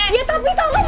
ya tapi salma malu ibu